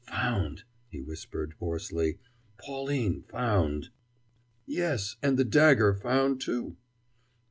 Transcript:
"Found!" he whispered hoarsely, "Pauline found!" "Yes, and the dagger found, too!"